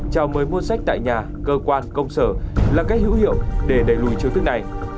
trao mới mua sách tại nhà cơ quan công sở là cách hữu hiệu để đẩy lùi chiếu thức này